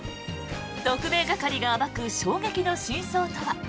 特命係が暴く衝撃の真相とは？